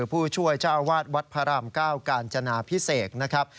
ผู้ช่วยเจ้าอาวาสวัดพระราม๙กาญจนาพิเศษนะครับ